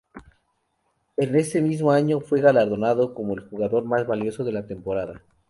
En ese mismo año fue galardonado como el jugador más valioso de la temporada.